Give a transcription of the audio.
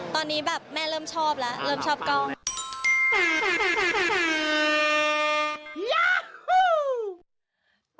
ตอนนี้แบบแม่เริ่มชอบแล้วเริ่มชอบกล้อง